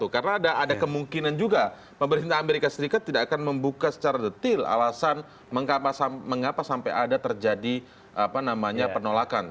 karena ada kemungkinan juga pemerintah amerika serikat tidak akan membuka secara detail alasan mengapa sampai ada terjadi penolakan